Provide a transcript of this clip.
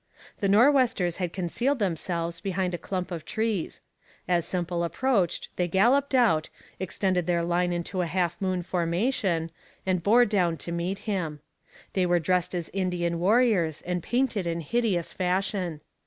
The Nor'westers had concealed themselves behind a clump of trees. As Semple approached they galloped out, extended their line into a half moon formation, and bore down to meet him. They were dressed as Indian warriors and painted in hideous fashion.